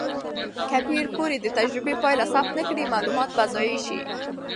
که پېیر کوري د تجربې پایله ثبت نه کړي، معلومات به ضایع شي.